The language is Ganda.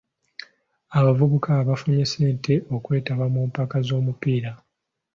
Abavubuka baafunye ssente okwetaba mu mpaka z'omupiira.